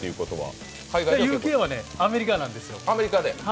Ｕ．Ｋはアメリカなんですよ。